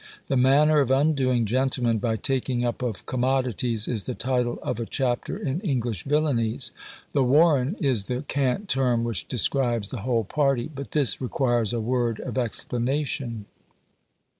"The Manner of undoing Gentlemen by taking up of Commodities," is the title of a chapter in "English Villanies." The "warren" is the cant term which describes the whole party; but this requires a word of explanation.